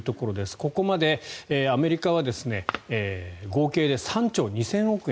ここまでアメリカは合計で３兆２０００億円